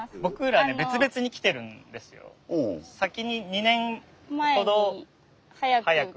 先に２年ほど早く。